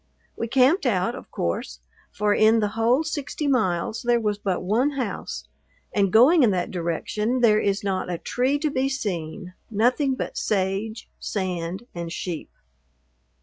We camped out, of course, for in the whole sixty miles there was but one house, and going in that direction there is not a tree to be seen, nothing but sage, sand, and sheep.